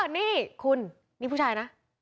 นี่คุณนี่ผู้ชายนะ